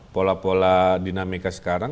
pola pola dinamika sekarang